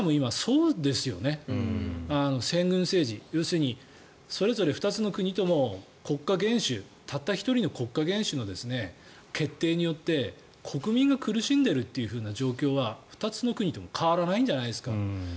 要するにそれぞれ２つの国とも国家元首たった１人の国家元首の決定によって国民が苦しんでいるという状況は２つの国とも変わらないんじゃないですか。